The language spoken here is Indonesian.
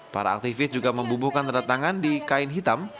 para aktivis juga membubuhkan tanda tangan di kain hitam